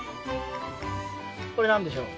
これなんでしょう？